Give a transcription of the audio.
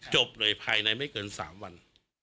จบเลยภายในไม่เกิน๓วัน